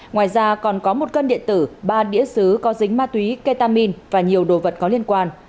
ngoài ra còn có một cân điện tử ba đĩa xứ có dính ma túy ketamin và nhiều đồ vật có liên quan